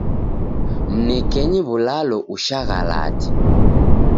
Mnekenyi w'ulalo ushaghalate.